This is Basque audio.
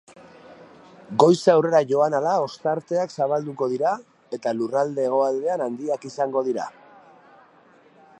Goiza aurrera joan ahala ostarteak zabalduko dira eta lurralde hegoaldean handiak izango dira.